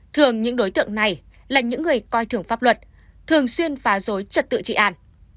thường những đối tượng này là những người coi thường pháp luật thường xuyên phá rối trật tự trị an